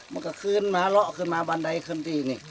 มันก็ขึ้นมาเลาะขึ้นมาบันไดขึ้นที่นี่